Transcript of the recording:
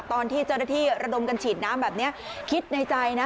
ตอนที่เจ้าหน้าที่ระดมกันฉีดน้ำแบบนี้คิดในใจนะ